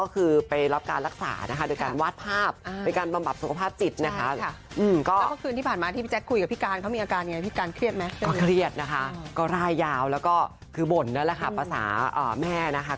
คือบ่นนั่นแหละค่ะภาษาแม่นะคะ